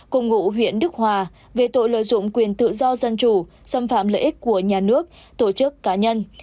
cùng ngụ huyện đức hòa về tội lợi dụng quyền tự do dân chủ xâm phạm lợi ích của nhà nước tổ chức cá nhân